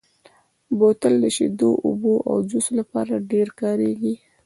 بوتل د شیدو، اوبو او جوس لپاره ډېر کارېږي.